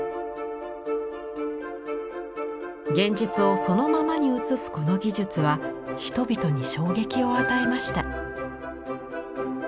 現実をそのままに写すこの技術は人々に衝撃を与えました。